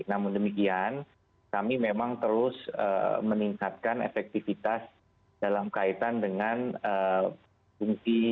namun demikian kami memang terus meningkatkan efektivitas dalam kaitan dengan fungsi